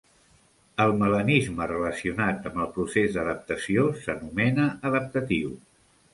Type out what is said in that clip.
El melanisme relacionat amb el procés d'adaptació s'anomena adaptatiu.